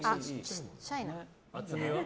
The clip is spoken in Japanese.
ちっちゃいな。